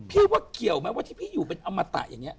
พี่ว่าเกี่ยวไหมว่าที่พี่อยู่เป็นอมตะอย่างนี้